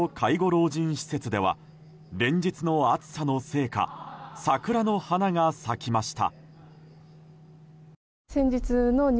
老人施設では連日の暑さのせいか桜の花が咲きました。